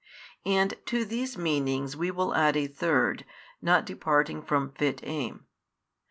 And to these meanings we will add a third, not departing from fit aim.